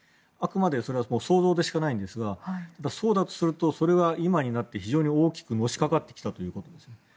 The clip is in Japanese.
あくまでそれは想像でしかないんですがそうだとするとそれが今になって非常に大きくのしかかってきたということですね。